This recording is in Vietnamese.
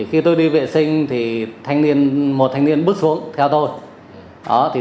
khi tôi đi vệ sinh thì một thanh niên bước xuống theo tôi